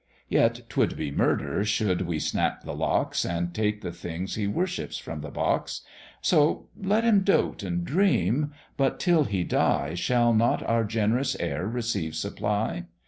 Yet, t'would be murder should we snap the locks, And take the thing he worships from the box; So let him dote and dream: but, till he die, Shall not our generous heir receive supply?